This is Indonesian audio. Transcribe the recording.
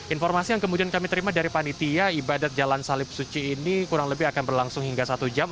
informasi yang kemudian kami terima dari panitia ibadat jalan salib suci ini kurang lebih akan berlangsung hingga satu jam